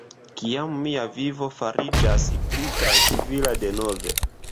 Kiam mia vivo fariĝas pli trankvila denove